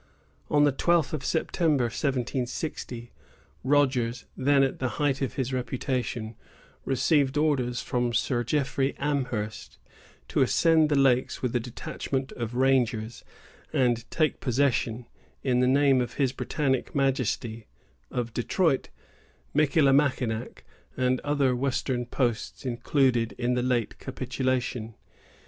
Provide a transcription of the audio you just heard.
On the twelfth of September, 1760, Rogers, then at the height of his reputation, received orders from Sir Jeffrey Amherst to ascend the lakes with a detachment of rangers, and take possession, in the name of his Britannic Majesty, of Detroit, Michillimackinac, and other western posts included in the late capitulation.